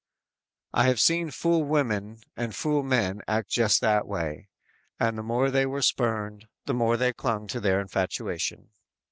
"_ I have seen fool women and fool men act just that way, and the more they were spurned, the more they clung to their infatuation.